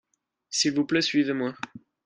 s'il vous plait suivez-moi.